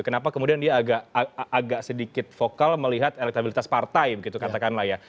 kenapa kemudian dia agak sedikit vokal melihat elektabilitas partai begitu katakanlah ya